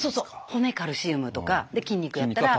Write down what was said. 骨カルシウムとか。で筋肉やったら。